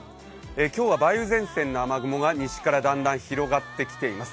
今日は梅雨前線の雨雲が西からだんだん広がってきています。